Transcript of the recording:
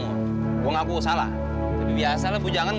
ah gak bisa jawab